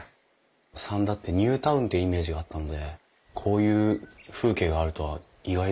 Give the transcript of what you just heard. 三田ってニュータウンっていうイメージがあったのでこういう風景があるとは意外でした。